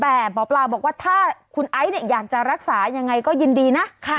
แต่หมอปลาบอกว่าถ้าคุณไอซ์อยากจะรักษายังไงก็ยินดีนะ